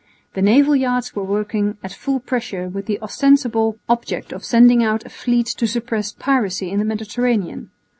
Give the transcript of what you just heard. The naval yards were working at full pressure with the ostensible object of sending out a fleet to suppress piracy in the Mediterranean.